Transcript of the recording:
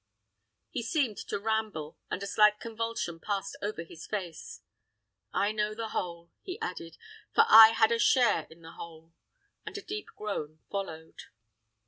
He seemed to ramble, and a slight convulsion passed over his face. "I know the whole," he added, "for I had a share in the whole," and a deep groan followed.